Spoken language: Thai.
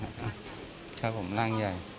กำลังใจนะครับผ่าน